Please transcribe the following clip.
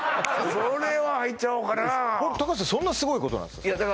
そんなすごいことなんですか？